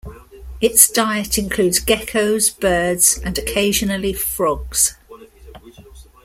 Its diet includes geckos, birds and occasionally frogs.